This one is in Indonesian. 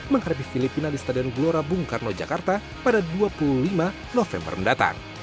menghadapi filipina di stadion gelora bung karno jakarta pada dua puluh lima november mendatang